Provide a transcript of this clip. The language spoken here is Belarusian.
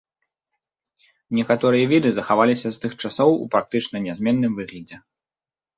Некаторыя віды захаваліся з тых часоў у практычна нязменным выглядзе.